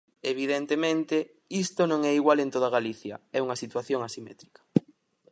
Evidentemente, isto non é igual en toda Galicia; é unha situación asimétrica.